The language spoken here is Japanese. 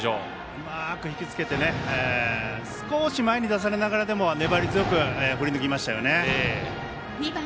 うまく引きつけてね少し前に出されながらでも粘り強く振り抜きましたね。